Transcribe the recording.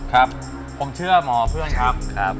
ครับผมเชื่อหมอเพื่อนครับ